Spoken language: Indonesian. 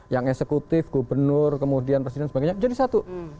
yang eksekutif gubernur kemudian presiden dan sebagainya jadi satu